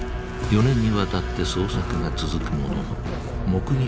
４年にわたって捜索が続くものの目撃